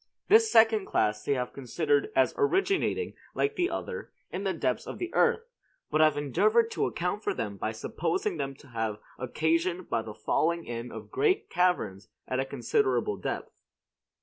This second class they have considered as originating, like the other, in the depths of the earth; but have endeavored to account for them by supposing them to be occasioned by the falling in of great caverns at a considerable depth.